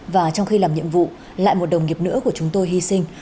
và trong khi làm nhiệm vụ lại một đồng nghiệp nữa của chúng tôi hy sinh